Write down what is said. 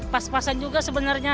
pas pasan juga sebenarnya